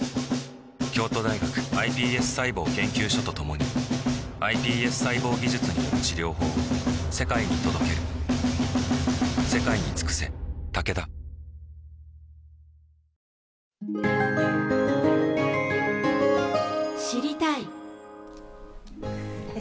京都大学ｉＰＳ細胞研究所と共にｉＰＳ細胞技術による治療法を世界に届ける知りたいッ！